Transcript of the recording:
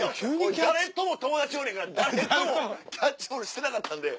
俺友達おらへんから誰ともキャッチボールしてなかったんで。